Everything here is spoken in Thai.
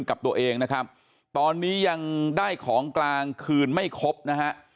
กับตัวเองนะครับตอนนี้ยังได้ของกลางคืนไม่ครบนะฮะ